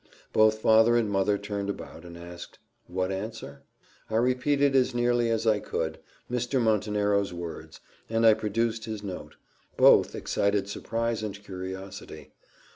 Both father and mother turned about, and asked, "What answer?" I repeated, as nearly as I could, Mr. Montenero's words and I produced his note. Both excited surprise and curiosity.